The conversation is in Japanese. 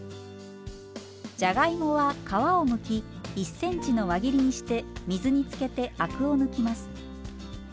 じゃがいもは皮をむき１ｃｍの輪切りにして水につけてアクを抜きます。